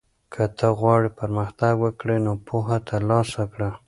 که ته غواړې پرمختګ وکړې نو پوهه ترلاسه کړه.